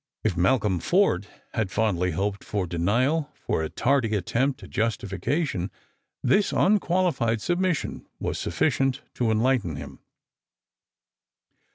If Malcolm Forde had fondly hoped for denial — for a tardy attempt at justifica tion — this unqualified admission was sufiicient to enlighten him.